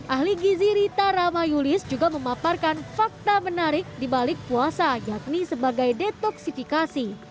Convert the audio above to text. ahli gizi rita ramayulis juga memaparkan fakta menarik di balik puasa yakni sebagai detoksifikasi